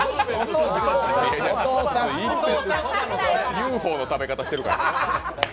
Ｕ．Ｆ．Ｏ．の食べ方してるから。